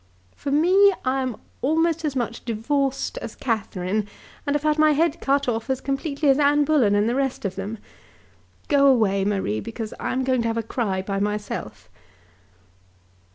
"For me, I am almost as much divorced as Catherine, and have had my head cut off as completely as Anne Bullen and the rest of them. Go away, Marie, because I am going to have a cry by myself."